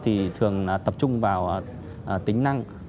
thì thường tập trung vào tính năng